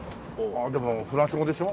でもフランス語でしょ？